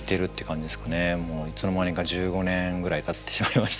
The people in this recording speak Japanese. もういつの間にか１５年ぐらいたってしまいましたけど。